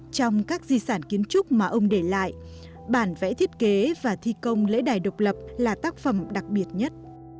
trong các di sản kiến trúc mà ông để lại bản vẽ thiết kế và thi công lễ đài độc lập là tác phẩm đặc biệt nhất